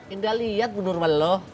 indah liat bunur malo